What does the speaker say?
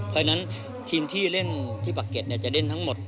เพราะฉะนั้นทีมที่เล่นที่ปากเก็ตจะเล่นทั้งหมด